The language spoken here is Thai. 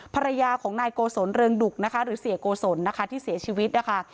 ภรรยาของนายโกศลเรืองดุกนะคะหรือเสียโกศลนะคะที่เสียชีวิตนะคะ